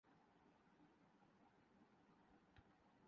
بلندیوں سے گرتے ہوئے خوبصورت آبشار